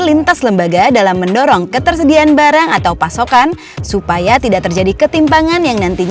lintas lembaga dalam mendorong ketersediaan barang atau pasokan supaya tidak terjadi ketimpangan yang nantinya